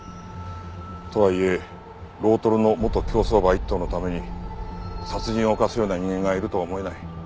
とはいえロートルの元競走馬１頭のために殺人を犯すような人間がいるとは思えない。